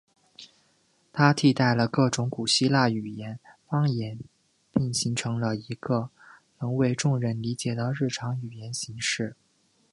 它替代了各种古希腊语方言并形成了一个能为众人理解的日常语言形式。